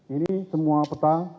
ini semua peta